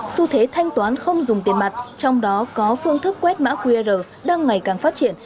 xu thế thanh toán không dùng tiền mặt trong đó có phương thức quét mã qr đang ngày càng phát triển